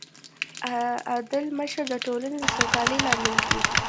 عادل مشر د ټولنې د سوکالۍ لامل دی.